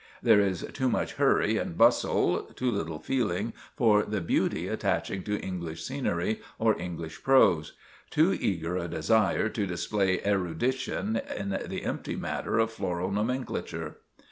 There is too much hurry and bustle, too little feeling for the beauty attaching to English scenery or English prose; too eager a desire to display erudition in the empty matter of floral nomenclature."